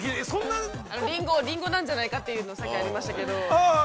◆リンゴなんじゃないかとさっきありましたけど。